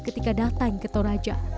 ketika datang ke toraja